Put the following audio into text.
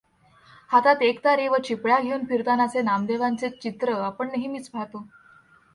हातात एकतारी आणि चिपळ्या घेऊन फिरतानाचे नामदेवांचे चित्र आपण नेहमीच पाहतो.